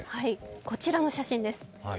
こちらの写真です